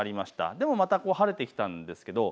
でもまた晴れてきたんです。